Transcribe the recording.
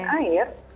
otot dan air